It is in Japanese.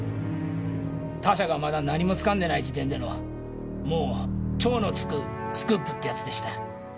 他社がまだ何もつかんでない時点でのもう超のつくスクープってやつでした。